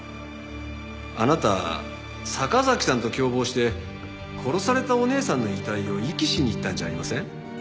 あなた坂崎さんと共謀して殺されたお姉さんの遺体を遺棄しに行ったんじゃありません？